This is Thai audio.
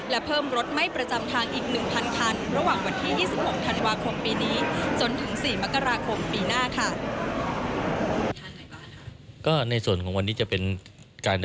และเพิ่มรถไม่ประจำทางอีก๑๐๐๐คัน